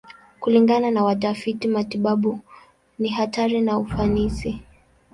Kulingana na watafiti matibabu, ni hatari na ufanisi.